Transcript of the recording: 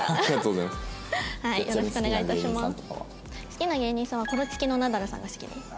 好きな芸人さんはコロチキのナダルさんが好きです。